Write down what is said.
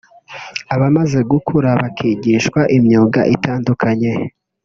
Abamaze gukura bakigishwa imyuga itandukanye